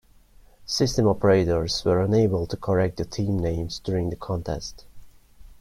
System operators were unable to correct the team names during the contest.